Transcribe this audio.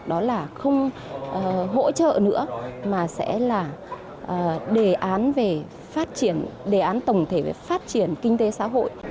đó là không hỗ trợ nữa mà sẽ là đề án về phát triển đề án tổng thể về phát triển kinh tế xã hội